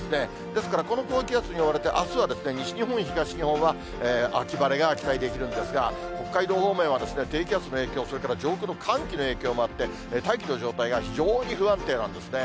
ですから、この高気圧に覆われてあすは西日本、東日本は秋晴れが期待できるんですが、北海道方面は低気圧の影響、それから上空の寒気の影響もあって、大気の状態が非常に不安定なんですね。